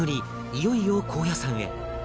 いよいよ高野山へ